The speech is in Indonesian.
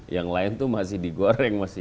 yang lain itu masih digoreng masih